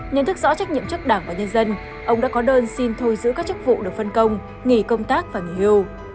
nhận thức rõ trách nhiệm trước đảng và nhân dân ông đã có đơn xin thôi giữ các chức vụ được phân công nghỉ công tác và nghỉ hưu